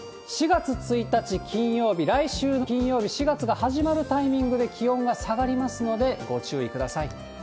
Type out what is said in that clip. ４月１日金曜日、来週の金曜日、４月が始まるタイミングで気温が下がりますので、ご注意ください。